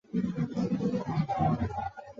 媒体对这段表演赞不绝口。